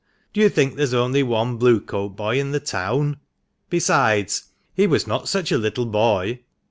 Do you think there's only one Blue coat boy in the town ? Besides, he was not such a little boy.